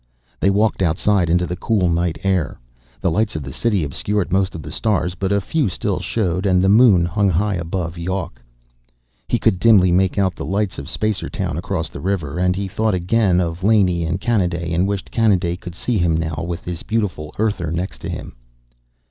They walked outside into the cool night air. The lights of the city obscured most of the stars, but a few still showed, and the moon hung high above Yawk. He could dimly make out the lights of Spacertown across the river, and he thought again of Laney and Kanaday and wished Kanaday could see him now with this beautiful Earther next to him.